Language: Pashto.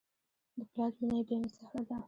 د پلار مینه بېمثاله ده.